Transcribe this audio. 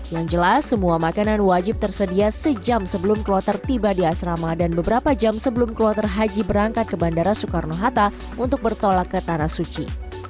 yang jelas semua makanan wajib tersedia sejam sebelum kloter tiba di asrama dan beberapa jam sebelum kloter haji berangkat ke bandara soekarno hatta untuk bertolak ke tanah suci